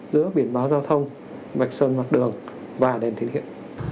giữa biển báo giao thông vạch sơn mặt đường và đèn thiết hiện